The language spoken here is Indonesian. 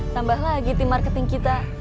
tambah lagi tim marketing kita